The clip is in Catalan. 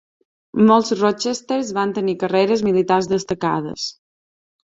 Molts Rochesters van tenir carreres militars destacades.